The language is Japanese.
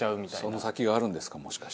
その先があるんですか？